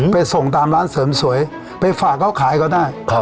ไปส่งตามร้านเสริมสวยไปฝากเขาขายก็ได้